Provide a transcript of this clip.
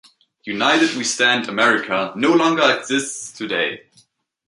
United We Stand America no longer exists today.